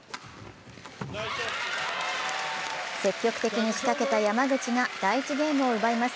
積極的に仕掛けた山口が第１ゲームを奪います。